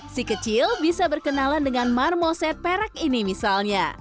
si kecil bisa berkenalan dengan marmoset perak ini misalnya